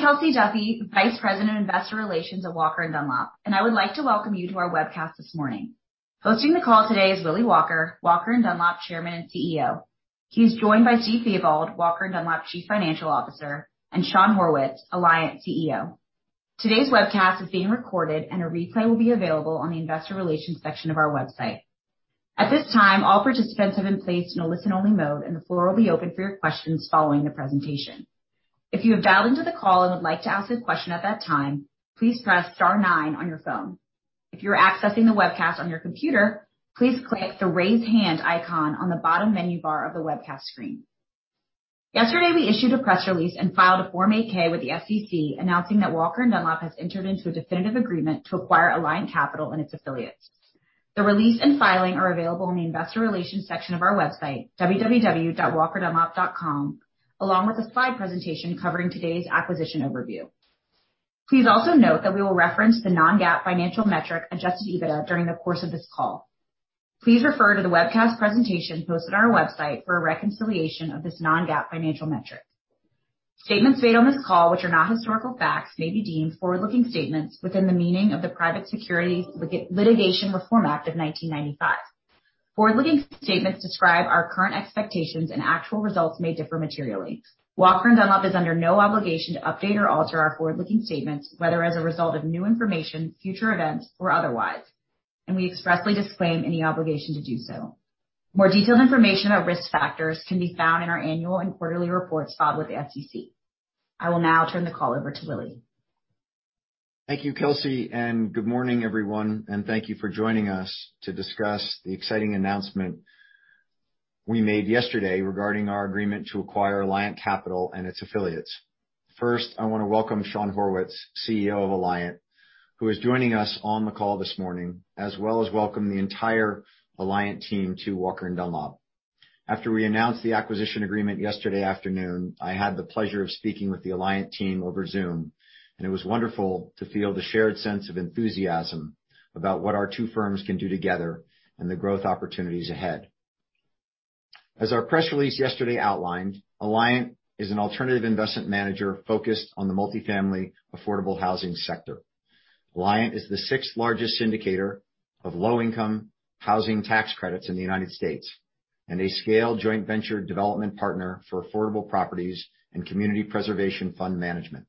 Good morning. I'm Kelsey Duffey, Vice President of Investor Relations at Walker & Dunlop, and I would like to welcome you to our webcast this morning. Hosting the call today is Willy Walker, Walker & Dunlop Chairman and CEO. He's joined by Steve Theobald, Walker & Dunlop Chief Financial Officer, and Shawn Horwitz, Alliant CEO. Today's webcast is being recorded, and a replay will be available on the Investor Relations section of our website. At this time, all participants have been placed in a listen-only mode, and the floor will be open for your questions following the presentation. If you have dialed into the call and would like to ask a question at that time, please press star nine on your phone. If you're accessing the webcast on your computer, please click the raise hand icon on the bottom menu bar of the webcast screen. Yesterday, we issued a press release and filed a Form 8-K with the SEC announcing that Walker & Dunlop has entered into a definitive agreement to acquire Alliant Capital and its affiliates. The release and filing are available in the Investor Relations section of our website, www.walkeranddunlop.com, along with a slide presentation covering today's acquisition overview. Please also note that we will reference the non-GAAP financial metric, adjusted EBITDA, during the course of this call. Please refer to the webcast presentation posted on our website for a reconciliation of this non-GAAP financial metric. Statements made on this call, which are not historical facts, may be deemed forward-looking statements within the meaning of the Private Securities Litigation Reform Act of 1995. Forward-looking statements describe our current expectations, and actual results may differ materially. Walker & Dunlop is under no obligation to update or alter our forward-looking statements, whether as a result of new information, future events, or otherwise, and we expressly disclaim any obligation to do so. More detailed information about risk factors can be found in our annual and quarterly reports filed with the SEC. I will now turn the call over to Willy. Thank you, Kelsey, and good morning, everyone. And thank you for joining us to discuss the exciting announcement we made yesterday regarding our agreement to acquire Alliant Capital and its affiliates. First, I want to welcome Shawn Horwitz, CEO of Alliant, who is joining us on the call this morning, as well as welcome the entire Alliant team to Walker & Dunlop. After we announced the acquisition agreement yesterday afternoon, I had the pleasure of speaking with the Alliant team over Zoom, and it was wonderful to feel the shared sense of enthusiasm about what our two firms can do together and the growth opportunities ahead. As our press release yesterday outlined, Alliant is an alternative investment manager focused on the multifamily affordable housing sector. Alliant is the sixth-largest syndicator of low-income housing tax credits in the United States and a scaled joint venture development partner for affordable properties and community preservation fund management.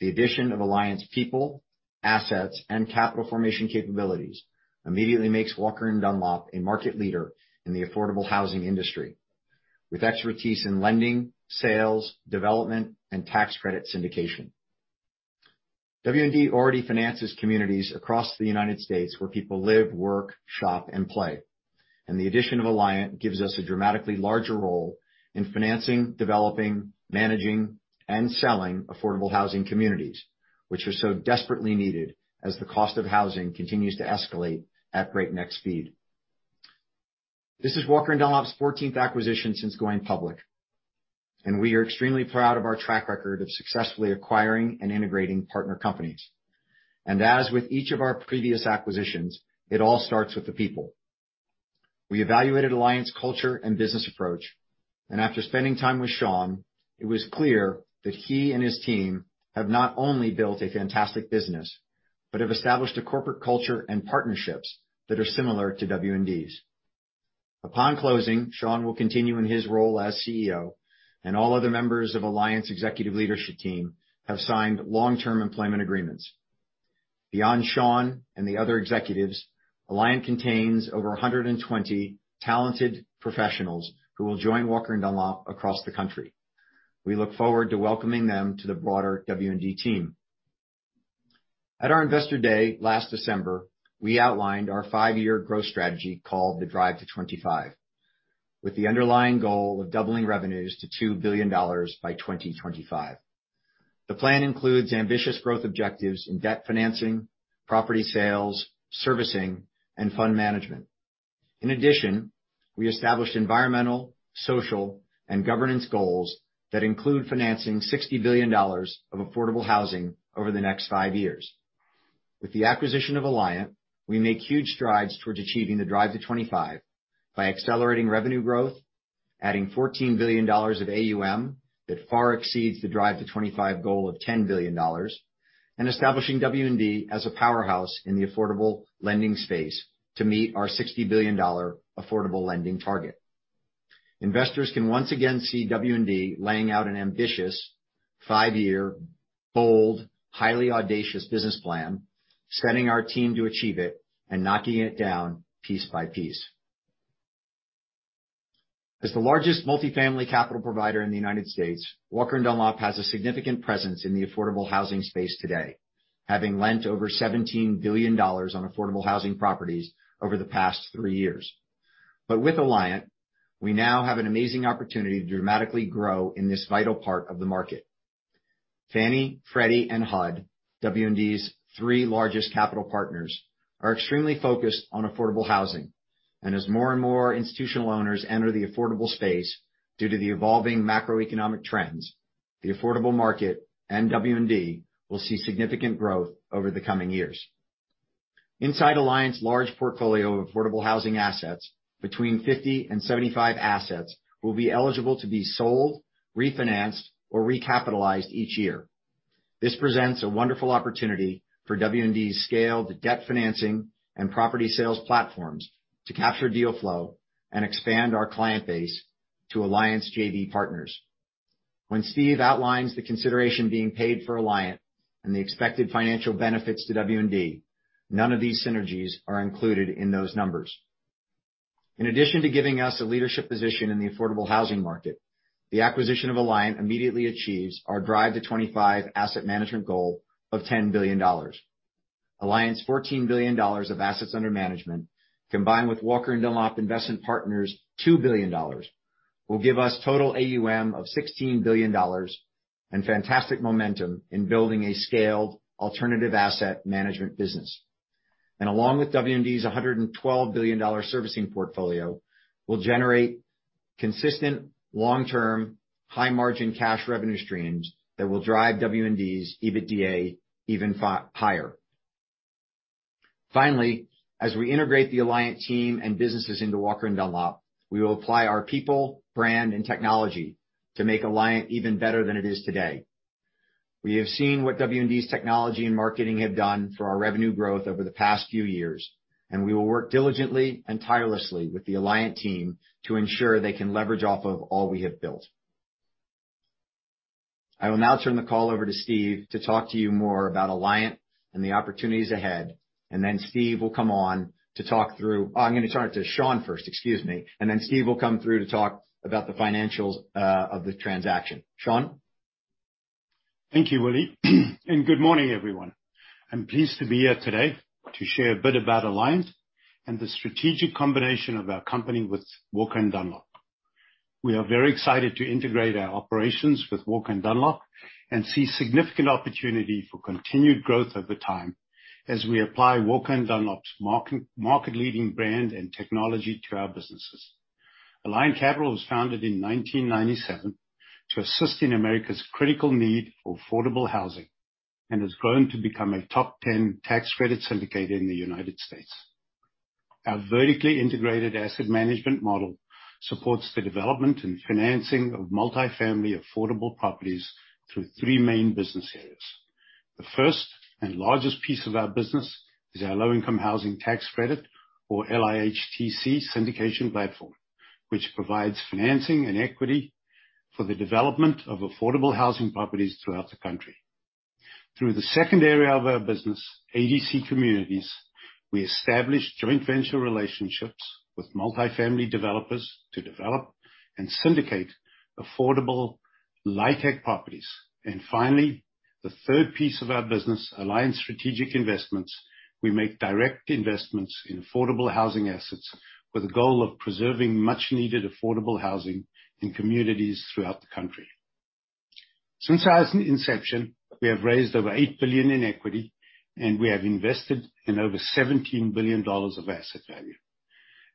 The addition of Alliant's people, assets, and capital formation capabilities immediately makes Walker & Dunlop a market leader in the affordable housing industry with expertise in lending, sales, development, and tax credit syndication. W&D already finances communities across the United States where people live, work, shop, and play, and the addition of Alliant gives us a dramatically larger role in financing, developing, managing, and selling affordable housing communities, which are so desperately needed as the cost of housing continues to escalate at breakneck speed. This is Walker & Dunlop's 14th acquisition since going public, and we are extremely proud of our track record of successfully acquiring and integrating partner companies. And as with each of our previous acquisitions, it all starts with the people. We evaluated Alliant's culture and business approach, and after spending time with Shawn, it was clear that he and his team have not only built a fantastic business but have established a corporate culture and partnerships that are similar to W&D's. Upon closing, Shawn will continue in his role as CEO, and all other members of Alliant's executive leadership team have signed long-term employment agreements. Beyond Shawn and the other executives, Alliant contains over 120 talented professionals who will join Walker & Dunlop across the country. We look forward to welcoming them to the broader W&D team. At our Investor Day last December, we outlined our five-year growth strategy called the Drive to 25, with the underlying goal of doubling revenues to $2 billion by 2025. The plan includes ambitious growth objectives in debt financing, property sales, servicing, and fund management. In addition, we established environmental, social, and governance goals that include financing $60 billion of affordable housing over the next five years. With the acquisition of Alliant, we make huge strides towards achieving the Drive to 25 by accelerating revenue growth, adding $14 billion of AUM that far exceeds the Drive to 25 goal of $10 billion, and establishing W&D as a powerhouse in the affordable lending space to meet our $60 billion affordable lending target. Investors can once again see W&D laying out an ambitious five-year, bold, highly audacious business plan, setting our team to achieve it and knocking it down piece by piece. As the largest multifamily capital provider in the United States, Walker & Dunlop has a significant presence in the affordable housing space today, having lent over $17 billion on affordable housing properties over the past three years. But with Alliant, we now have an amazing opportunity to dramatically grow in this vital part of the market. Fannie, Freddie, and HUD, W&D's three largest capital partners, are extremely focused on affordable housing, and as more and more institutional owners enter the affordable space due to the evolving macroeconomic trends, the affordable market and W&D will see significant growth over the coming years. Inside Alliant's large portfolio of affordable housing assets, between 50 and 75 assets will be eligible to be sold, refinanced, or recapitalized each year. This presents a wonderful opportunity for W&D's scaled debt financing and property sales platforms to capture deal flow and expand our client base to Alliant's JV partners. When Steve outlines the consideration being paid for Alliant and the expected financial benefits to W&D, none of these synergies are included in those numbers. In addition to giving us a leadership position in the affordable housing market, the acquisition of Alliant immediately achieves our Drive to 25 asset management goal of $10 billion. Alliant's $14 billion of assets under management, combined with Walker & Dunlop Investment Partners' $2 billion, will give us total AUM of $16 billion and fantastic momentum in building a scaled alternative asset management business. And along with W&D's $112 billion servicing portfolio, we'll generate consistent long-term high-margin cash revenue streams that will drive W&D's EBITDA even higher. Finally, as we integrate the Alliant team and businesses into Walker & Dunlop, we will apply our people, brand, and technology to make Alliant even better than it is today. We have seen what W&D's technology and marketing have done for our revenue growth over the past few years, and we will work diligently and tirelessly with the Alliant team to ensure they can leverage off of all we have built. I will now turn the call over to Steve to talk to you more about Alliant and the opportunities ahead, and then Steve will come on to talk through, oh, I'm going to turn it to Shawn first, excuse me, and then Steve will come through to talk about the financials of the transaction. Shawn? Thank you, Willy, and good morning, everyone. I'm pleased to be here today to share a bit about Alliant and the strategic combination of our company with Walker & Dunlop. We are very excited to integrate our operations with Walker & Dunlop and see significant opportunity for continued growth over time as we apply Walker & Dunlop's market-leading brand and technology to our businesses. Alliant Capital was founded in 1997 to assist in America's critical need for affordable housing and has grown to become a top 10 tax credit syndicator in the United States. Our vertically integrated asset management model supports the development and financing of multifamily affordable properties through three main business areas. The first and largest piece of our business is our low-income housing tax credit, or LIHTC syndication platform, which provides financing and equity for the development of affordable housing properties throughout the country. Through the second area of our business, ADC Communities, we establish joint venture relationships with multifamily developers to develop and syndicate affordable LIHTC properties, and finally, the third piece of our business, Alliant Strategic Investments, we make direct investments in affordable housing assets with a goal of preserving much-needed affordable housing in communities throughout the country. Since our inception, we have raised over $8 billion in equity, and we have invested in over $17 billion of asset value.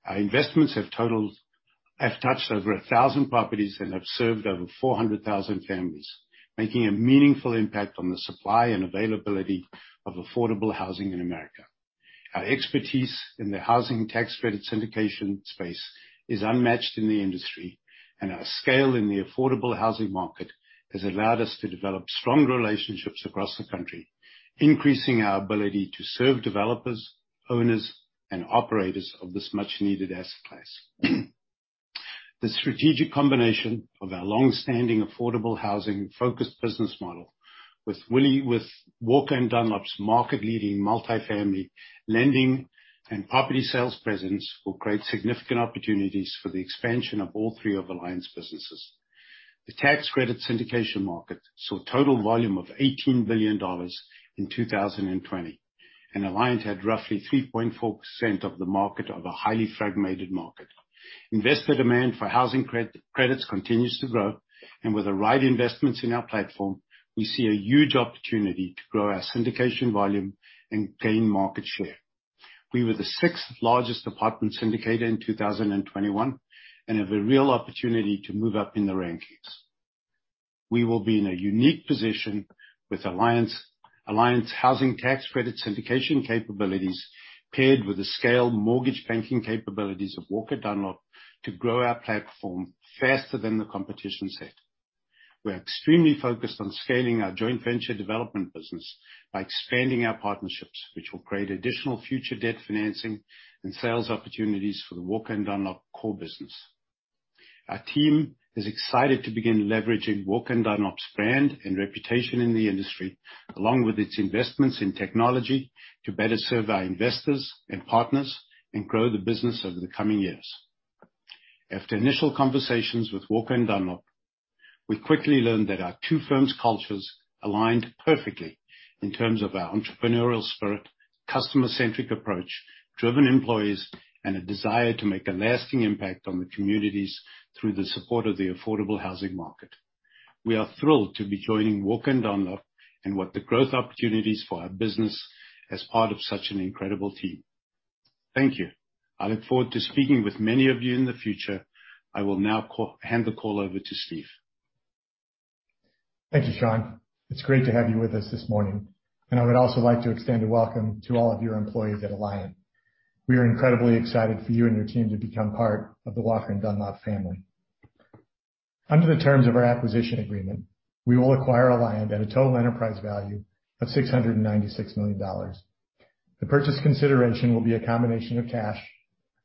Our investments have touched over 1,000 properties and have served over 400,000 families, making a meaningful impact on the supply and availability of affordable housing in America. Our expertise in the housing tax credit syndication space is unmatched in the industry, and our scale in the affordable housing market has allowed us to develop strong relationships across the country, increasing our ability to serve developers, owners, and operators of this much-needed asset class. The strategic combination of our long-standing affordable housing-focused business model with Walker & Dunlop's market-leading multifamily lending and property sales presence will create significant opportunities for the expansion of all three of Alliant's businesses. The tax credit syndication market saw a total volume of $18 billion in 2020, and Alliant had roughly 3.4% of the market of a highly fragmented market. Investor demand for housing credits continues to grow, and with the right investments in our platform, we see a huge opportunity to grow our syndication volume and gain market share. We were the sixth-largest tax credit syndicator in 2021 and have a real opportunity to move up in the rankings. We will be in a unique position with Alliant's housing tax credit syndication capabilities, paired with the scaled mortgage banking capabilities of Walker & Dunlop, to grow our platform faster than the competition set. We're extremely focused on scaling our joint venture development business by expanding our partnerships, which will create additional future debt financing and sales opportunities for the Walker & Dunlop core business. Our team is excited to begin leveraging Walker & Dunlop's brand and reputation in the industry, along with its investments in technology, to better serve our investors and partners and grow the business over the coming years. After initial conversations with Walker & Dunlop, we quickly learned that our two firms' cultures aligned perfectly in terms of our entrepreneurial spirit, customer-centric approach, driven employees, and a desire to make a lasting impact on the communities through the support of the affordable housing market. We are thrilled to be joining Walker & Dunlop and what the growth opportunities for our business as part of such an incredible team. Thank you. I look forward to speaking with many of you in the future. I will now hand the call over to Steve. Thank you, Shawn. It's great to have you with us this morning, and I would also like to extend a welcome to all of your employees at Alliant. We are incredibly excited for you and your team to become part of the Walker & Dunlop family. Under the terms of our acquisition agreement, we will acquire Alliant at a total enterprise value of $696 million. The purchase consideration will be a combination of cash,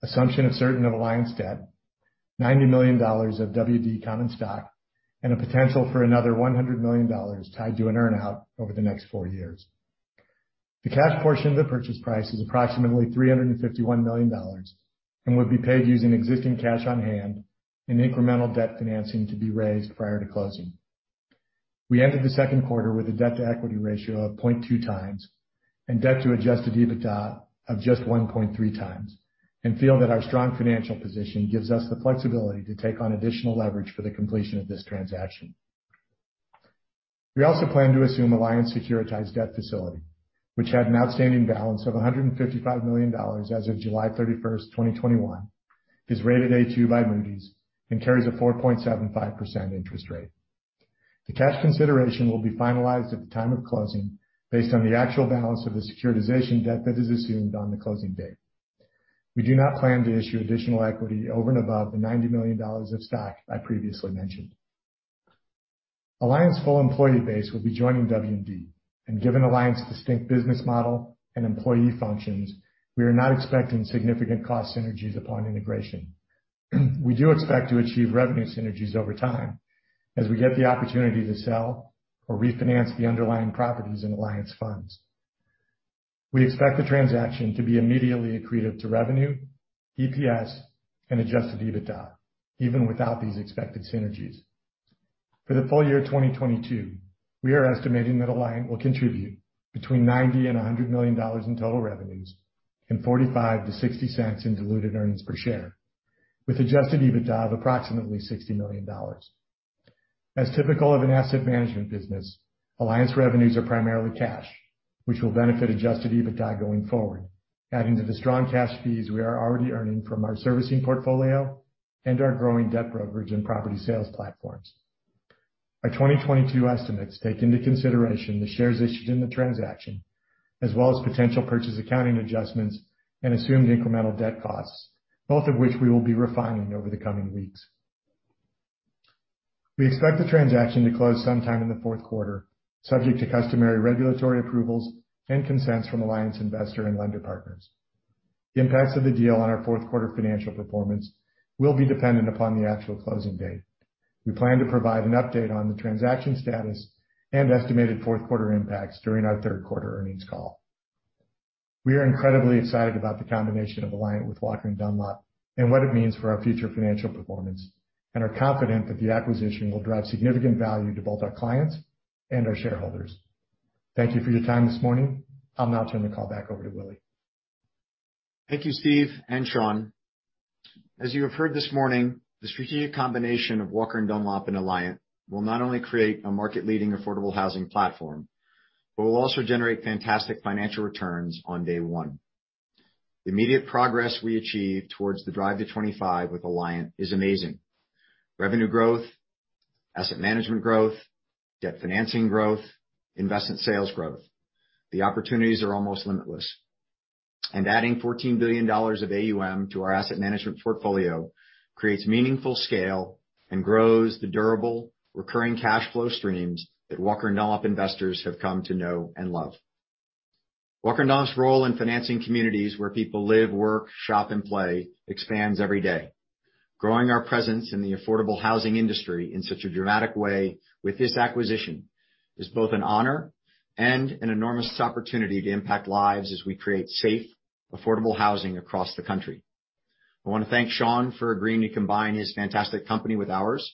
assumption of certain of Alliant's debt, $90 million of W&D common stock, and a potential for another $100 million tied to an earnout over the next four years. The cash portion of the purchase price is approximately $351 million and would be paid using existing cash on hand and incremental debt financing to be raised prior to closing. We ended the second quarter with a debt-to-equity ratio of 0.2x and debt-to-adjusted EBITDA of just 1.3x and feel that our strong financial position gives us the flexibility to take on additional leverage for the completion of this transaction. We also plan to assume Alliant's securitized debt facility, which had an outstanding balance of $155 million as of July 31, 2021, is rated A2 by Moody's and carries a 4.75% interest rate. The cash consideration will be finalized at the time of closing based on the actual balance of the securitization debt that is assumed on the closing date. We do not plan to issue additional equity over and above the $90 million of stock I previously mentioned. Alliant's full employee base will be joining W&D, and given Alliant's distinct business model and employee functions, we are not expecting significant cost synergies upon integration. We do expect to achieve revenue synergies over time as we get the opportunity to sell or refinance the underlying properties in Alliant's funds. We expect the transaction to be immediately accretive to revenue, EPS, and adjusted EBITDA, even without these expected synergies. For the full year 2022, we are estimating that Alliant will contribute between $90 and $100 million in total revenues and $0.45-$0.60 in diluted earnings per share, with adjusted EBITDA of approximately $60 million. As typical of an asset management business, Alliant's revenues are primarily cash, which will benefit adjusted EBITDA going forward, adding to the strong cash fees we are already earning from our servicing portfolio and our growing debt brokerage and property sales platforms. Our 2022 estimates take into consideration the shares issued in the transaction, as well as potential purchase accounting adjustments and assumed incremental debt costs, both of which we will be refining over the coming weeks. We expect the transaction to close sometime in the fourth quarter, subject to customary regulatory approvals and consents from Alliant's investor and lender partners. The impacts of the deal on our fourth quarter financial performance will be dependent upon the actual closing date. We plan to provide an update on the transaction status and estimated fourth quarter impacts during our third quarter earnings call. We are incredibly excited about the combination of Alliant with Walker & Dunlop and what it means for our future financial performance, and are confident that the acquisition will drive significant value to both our clients and our shareholders. Thank you for your time this morning. I'll now turn the call back over to Willy. Thank you, Steve and Shawn. As you have heard this morning, the strategic combination of Walker & Dunlop and Alliant will not only create a market-leading affordable housing platform, but will also generate fantastic financial returns on day one. The immediate progress we achieve towards the Drive to 25 with Alliant is amazing. Revenue growth, asset management growth, debt financing growth, investment sales growth, the opportunities are almost limitless. And adding $14 billion of AUM to our asset management portfolio creates meaningful scale and grows the durable, recurring cash flow streams that Walker & Dunlop investors have come to know and love. Walker & Dunlop's role in financing communities where people live, work, shop, and play expands every day. Growing our presence in the affordable housing industry in such a dramatic way with this acquisition is both an honor and an enormous opportunity to impact lives as we create safe, affordable housing across the country. I want to thank Shawn for agreeing to combine his fantastic company with ours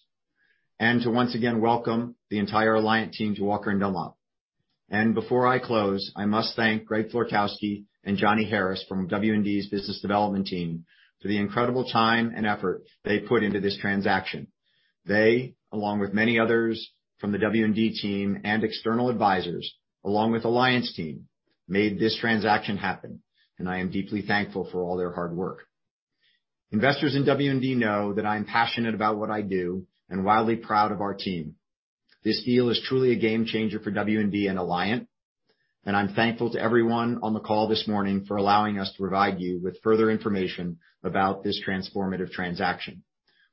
and to once again welcome the entire Alliant team to Walker & Dunlop. And before I close, I must thank Greg Florkowski and Johnny Harris from W&D's business development team for the incredible time and effort they put into this transaction. They, along with many others from the W&D team and external advisors, along with Alliant's team, made this transaction happen, and I am deeply thankful for all their hard work. Investors in W&D know that I am passionate about what I do and wildly proud of our team. This deal is truly a game changer for W&D and Alliant, and I'm thankful to everyone on the call this morning for allowing us to provide you with further information about this transformative transaction.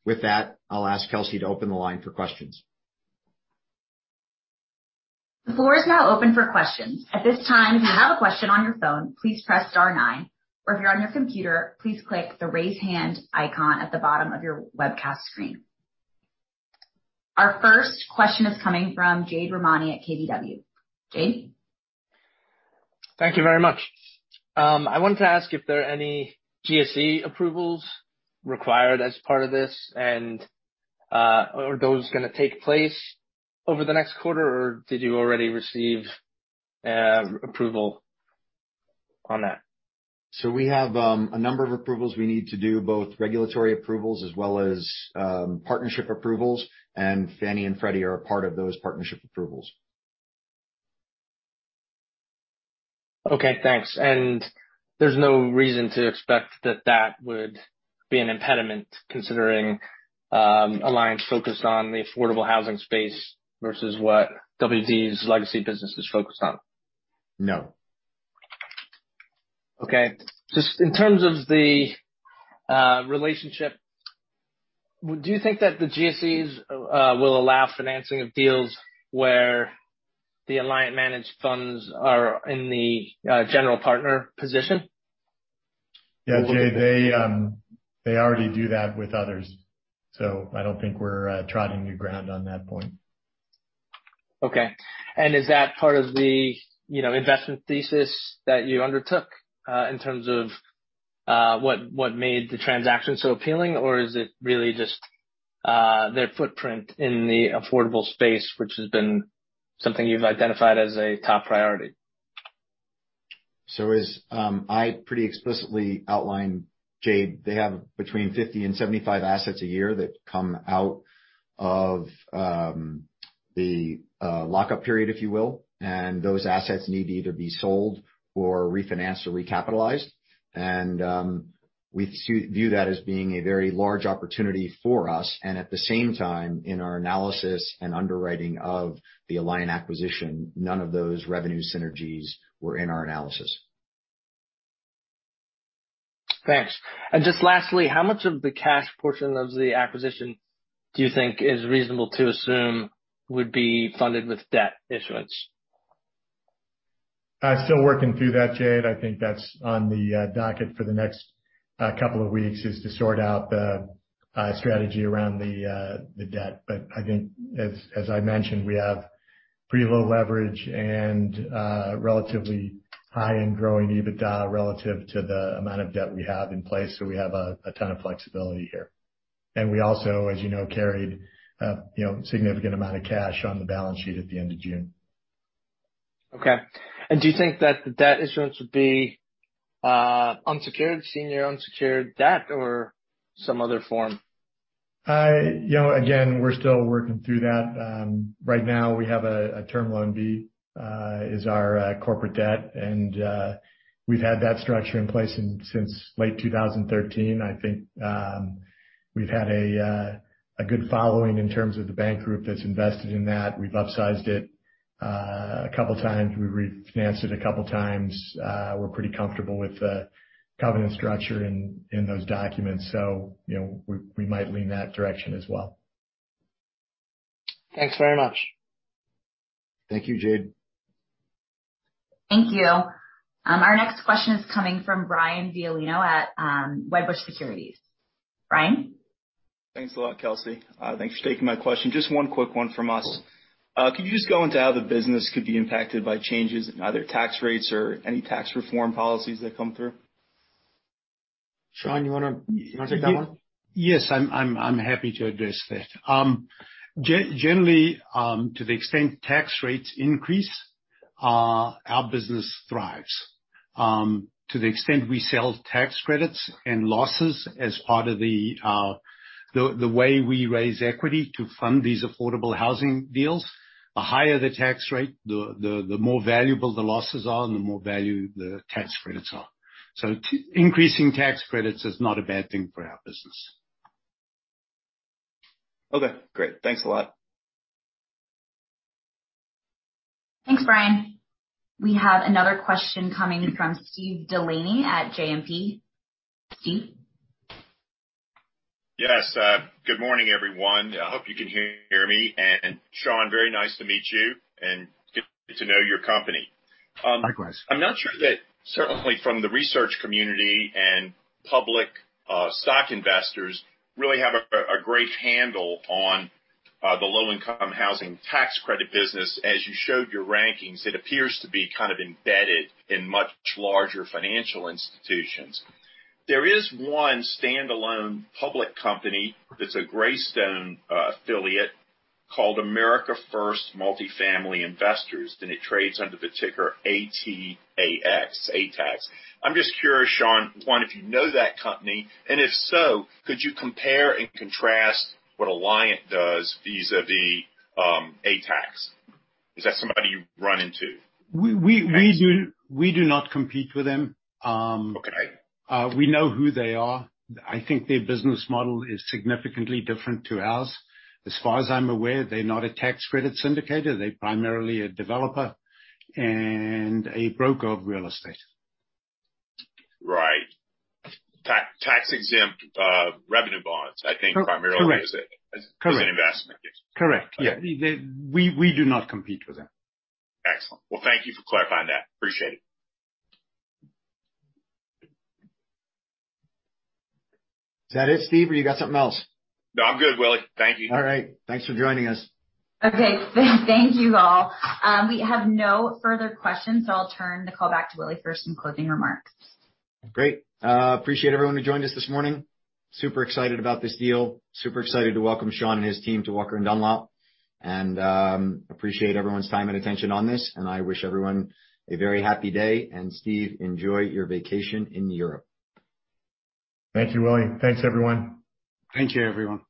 With that, I'll ask Kelsey to open the line for questions. The floor is now open for questions. At this time, if you have a question on your phone, please press star nine, or if you're on your computer, please click the raise hand icon at the bottom of your webcast screen. Our first question is coming from Jade Rahmani at KBW. Jade? Thank you very much. I wanted to ask if there are any GSE approvals required as part of this, and are those going to take place over the next quarter, or did you already receive approval on that? So we have a number of approvals we need to do, both regulatory approvals as well as partnership approvals, and Fannie and Freddie are a part of those partnership approvals. Okay. Thanks. And there's no reason to expect that that would be an impediment considering Alliant's focus on the affordable housing space versus what W&D's legacy business is focused on. No. Okay. Just in terms of the relationship, do you think that the GSEs will allow financing of deals where the Alliant-managed funds are in the general partner position? Yeah, Jade, they already do that with others, so I don't think we're treading new ground on that point. Okay, and is that part of the investment thesis that you undertook in terms of what made the transaction so appealing, or is it really just their footprint in the affordable space, which has been something you've identified as a top priority? As I pretty explicitly outlined, Jade, they have between 50 and 75 assets a year that come out of the lockup period, if you will, and those assets need to either be sold or refinanced or recapitalized. We view that as being a very large opportunity for us. At the same time, in our analysis and underwriting of the Alliant acquisition, none of those revenue synergies were in our analysis. Thanks. And just lastly, how much of the cash portion of the acquisition do you think is reasonable to assume would be funded with debt issuance? Still working through that, Jade. I think that's on the docket for the next couple of weeks, is to sort out the strategy around the debt. But I think, as I mentioned, we have pretty low leverage and relatively high and growing EBITDA relative to the amount of debt we have in place, so we have a ton of flexibility here. And we also, as you know, carried a significant amount of cash on the balance sheet at the end of June. Okay, and do you think that the debt issuance would be unsecured, senior unsecured debt, or some other form? Again, we're still working through that. Right now, we have a term loan B as our corporate debt, and we've had that structure in place since late 2013. I think we've had a good following in terms of the bank group that's invested in that. We've upsized it a couple of times. We've refinanced it a couple of times. We're pretty comfortable with the covenant structure in those documents, so we might lean that direction as well. Thanks very much. Thank you, Jade. Thank you. Our next question is coming from Brian Violino at Wedbush Securities. Brian? Thanks a lot, Kelsey. Thanks for taking my question. Just one quick one from us. Could you just go into how the business could be impacted by changes in either tax rates or any tax reform policies that come through? Shawn, you want to take that one? Yes, I'm happy to address that. Generally, to the extent tax rates increase, our business thrives. To the extent we sell tax credits and losses as part of the way we raise equity to fund these affordable housing deals, the higher the tax rate, the more valuable the losses are and the more value the tax credits are. So increasing tax credits is not a bad thing for our business. Okay. Great. Thanks a lot. Thanks, Brian. We have another question coming from Steve Delaney at JMP. Steve? Yes. Good morning, everyone. I hope you can hear me. And Shawn, very nice to meet you and get to know your company. Likewise. I'm not sure that certainly from the research community and public stock investors really have a great handle on the low-income housing tax credit business. As you showed your rankings, it appears to be kind of embedded in much larger financial institutions. There is one standalone public company that's a Greystone affiliate called America First Multifamily Investors, and it trades under the ticker ATAX. I'm just curious, Shawn, one, if you know that company, and if so, could you compare and contrast what Alliant does vis-à-vis ATAX? Is that somebody you run into? We do not compete with them. We know who they are. I think their business model is significantly different to ours. As far as I'm aware, they're not a tax credit syndicator. They're primarily a developer and a broker of real estate. Right. Tax-exempt revenue bonds, I think, primarily as an investment. Correct. Yeah. We do not compete with them. Excellent. Well, thank you for clarifying that. Appreciate it. Is that it, Steve? Or you got something else? No, I'm good, Willy. Thank you. All right. Thanks for joining us. Okay. Thank you all. We have no further questions, so I'll turn the call back to Willy for some closing remarks. Great. Appreciate everyone who joined us this morning. Super excited about this deal. Super excited to welcome Shawn and his team to Walker & Dunlop, and appreciate everyone's time and attention on this. And I wish everyone a very happy day, and Steve, enjoy your vacation in Europe. Thank you, Willy. Thanks, everyone. Thank you, everyone.